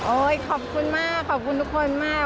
ขอบคุณมากขอบคุณทุกคนมาก